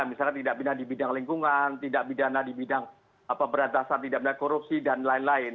misalnya tindak pidana di bidang lingkungan tindak pidana di bidang pemberantasan tidak benar korupsi dan lain lain